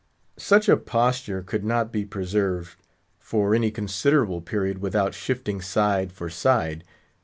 Such a posture could not be preserved for any considerable period without shifting side for side.